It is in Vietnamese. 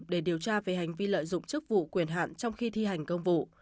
để điều tra về hành vi lợi dụng chức vụ quyền hạn trong khi thi hành công vụ